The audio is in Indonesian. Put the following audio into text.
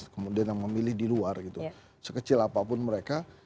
kemudian yang memilih di luar gitu sekecil apapun mereka